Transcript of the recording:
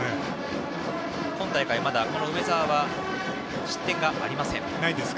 今大会、まだ梅澤は失点がありません。